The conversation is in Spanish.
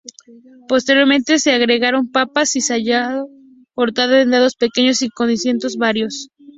Posteriormente, se agregan papas y zapallo cortado en dados pequeños y condimentos varios.